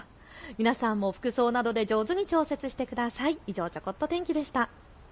皆さんも服装などで上手に調節してください。